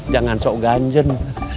jangan sok ganjen